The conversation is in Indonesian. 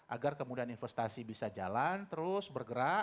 agar kemudian investasi bisa jalan terus bergerak